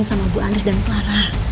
sama ibu andries dan clara